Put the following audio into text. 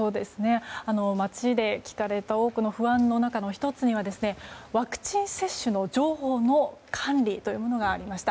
街で聞かれた多くの不安の１つにワクチン接種の情報の管理というものがありました。